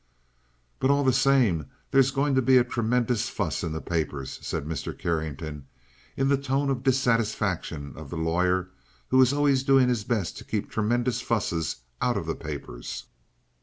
"But, all the same, there's going to be a tremendous fuss in the papers," said Mr. Carrington, in the tone of dissatisfaction of the lawyer who is always doing his best to keep tremendous fusses out of the papers.